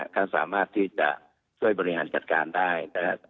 เขาสามารถที่จะช่วยบริหารกัดการได้